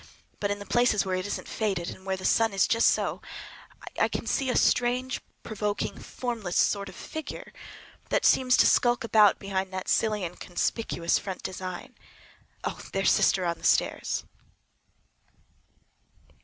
But in the places where it isn't faded, and where the sun is just so, I can see a strange, provoking, formless sort of figure, that seems to sulk about behind that silly and conspicuous front design. There's sister on the stairs!